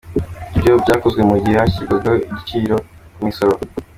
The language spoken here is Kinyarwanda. Ibi byakozwe mu gihe hashyirwagaho ibiciro ku misoro.